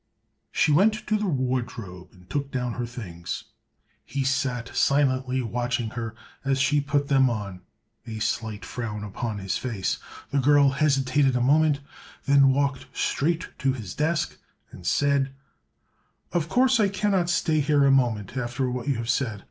She went to the wardrobe and took down her things. He sat silently watching her as she put them on, a slight frown upon his face. The girl hesitated a moment, then walked straight to his desk and said: "Of course I cannot stay here a moment after what you have said.